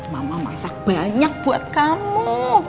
mama masak banyak buat kamu